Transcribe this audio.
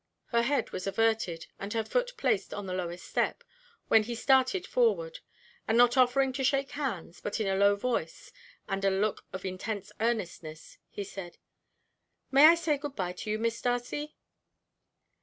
Her head was averted, and her foot placed on the lowest step, when he started forward, and not offering to shake hands, but in a low voice and a look of intense earnestness, he said: "May I say good bye to you, Miss Darcy?"